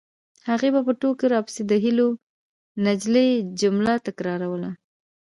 هغې به په ټوکو راپسې د هیلو نجلۍ جمله تکراروله